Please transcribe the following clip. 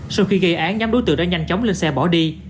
sau khi gây án nhóm đối tượng đã nhanh chóng lên xe bỏ đi